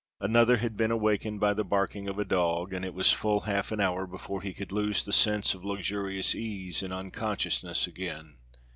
Another had been awakened by the barking of a dog, and it was full half an hour before he could lose the sense of luxurious ease in unconsciousness again.